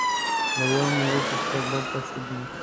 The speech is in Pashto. له یوه مې وپوښتل دلته څه دي؟